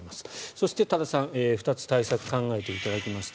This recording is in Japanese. そして、多田さん２つ対策を考えていただきました。